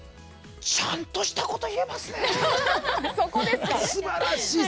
ちゃんとしたこと言えますね！